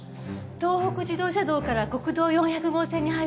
東北自動車道から国道４００号線に入るインターは？